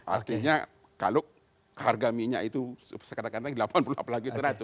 artinya kalau harga minyak itu sekada delapan puluh apalagi seratus